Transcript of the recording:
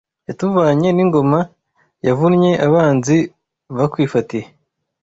Yatuvanye n’ingoma, Yavunnye abanzi bakwifatiye